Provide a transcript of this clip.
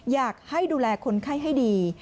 อยากให้ดูแลคนไข้ให้ดี